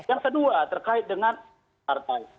yang kedua terkait dengan partai